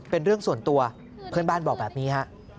เป็นเรื่องส่วนตัวเพื่อนบ้านบอกแบบนี้ฮะ